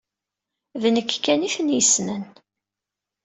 D nekk kan ay ten-yessnen.